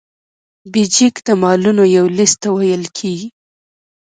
بیجک د مالونو یو لیست ته ویل کیږي.